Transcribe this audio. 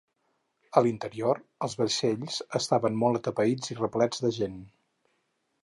A l'interior, els vaixells estaven molt atapeïts i replets de gent.